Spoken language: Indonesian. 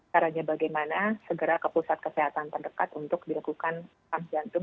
caranya bagaimana segera ke pusat kesehatan terdekat untuk dilakukan jantung